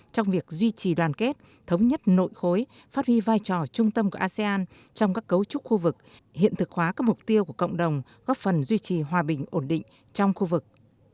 trong việc duy trì đoàn kết thống nhất nội khối phát huy vai trò trung tâm của asean trong các cấu trúc khu vực hiện thực hóa các mục tiêu của cộng đồng góp phần duy trì hòa bình ổn định trong khu vực